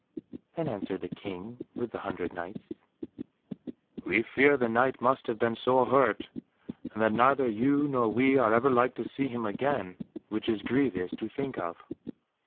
Then answered the King with the hundred Knights, "We fear the Knight must have been sore hurt, and that neither you nor we are ever like to see him again, which is grievous to think of."